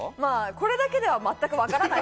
これだけでは全く分からない。